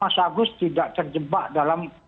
mas agus tidak terjebak dalam